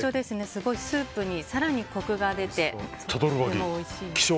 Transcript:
すごい、スープに更にコクが出てとてもおいしいです。